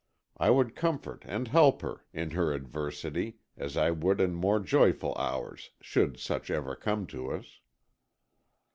I would comfort and help her in her adversity as I would in more joyful hours, should such ever come to us.